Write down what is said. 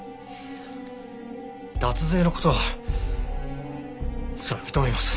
脱税の事はそれは認めます。